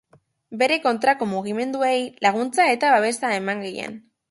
Bere kontrako mugimenduei laguntza eta babesa eman genien.